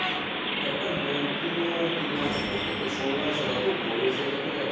やっぱり僕も車いす乗ってて障害者だとこういう性格だよね